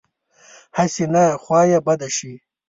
هسې نه خوا یې بده شي.